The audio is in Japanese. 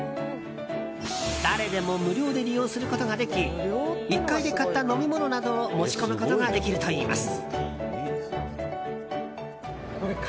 誰でも無料で利用することができ１階で買った飲み物などを持ち込むことができるといいます。